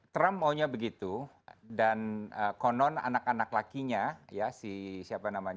trump maunya begitu dan konon anak anak lakinya ya si siapa namanya